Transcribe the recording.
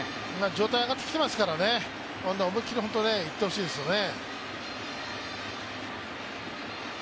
状態が上がってきていますから、思い切りいってほしいですよね。